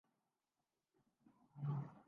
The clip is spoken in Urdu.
پاکستان کی خواتین کرکٹ ٹیم ویسٹ انڈیز پہنچ گئی